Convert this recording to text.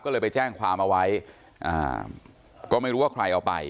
ก็เลยไปแจ้งความเอาไว้ก็ไม่รู้ว่าใครเอาไป